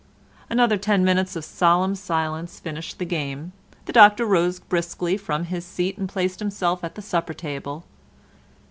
Another ten minutes of solemn silence finished the game. The Doctor rose briskly from his seat and placed himself at the supper table.